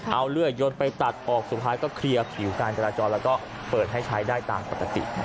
เอาเรืองยนต์ไปตัดออกแล้วสูงทีก็คลี่งการจราจรออกเปิดให้ใช้ได้ตามประตตินะครับ